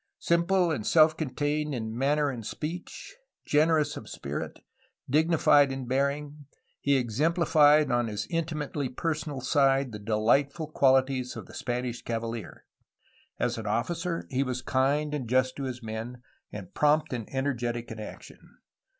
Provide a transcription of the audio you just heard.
Simple and self contained in manner and speech, generous of spirit, dignified in bearing, he exemplified on his intimately personal side the delightful qualities of the Spanish cavalier. As an officer he was kind and just to his men and prompt and energetic in action.